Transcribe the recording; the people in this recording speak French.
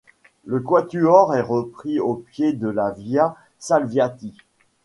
Le quatuor est repris au pied de la Via Salviati.